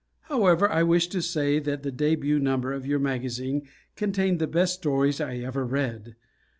However, I wish to say that the debut number of your magazine contained the best stories I ever read.